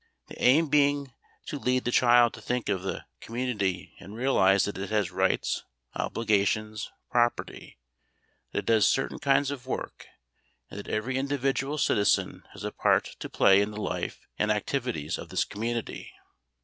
The aim being to lead the child to think of the community and realize that it has rights, obligations, property, that it does certain kinds of work and that every individual citizen has a part to play in the life and activities of this community.